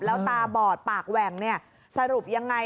แล้วตาบอดปากแหว่งเนี่ยสรุปยังไง